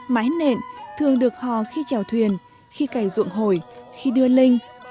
mái nện thường được hò khi trèo thuyền khi cày ruộng hồi khi đưa linh